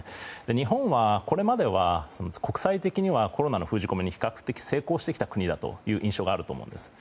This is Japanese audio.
日本はこれまでは国際的にはコロナの封じ込めに比較的成功してきた国だという印象があると思います。